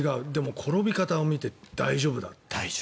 でも、転び方を見て大丈夫だと。